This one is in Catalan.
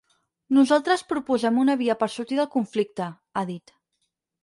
Nosaltres proposem una via per sortir del conflicte, ha dit.